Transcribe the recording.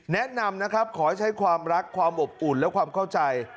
แนะนำนะครับขอให้ใช้ความรักความอบอุ่นและความเข้าใจ